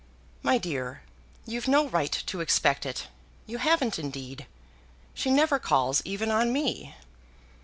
"My dear, you've no right to expect it; you haven't indeed. She never calls even on me."